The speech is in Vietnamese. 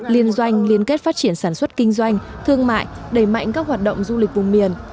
liên doanh liên kết phát triển sản xuất kinh doanh thương mại đẩy mạnh các hoạt động du lịch vùng miền